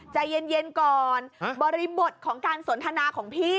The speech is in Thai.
ใจเย็นก่อนบริบทของการสนทนาของพี่